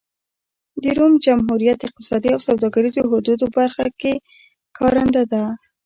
د روم جمهوریت اقتصادي او سوداګریزو حدودو برخه کې کارنده ده.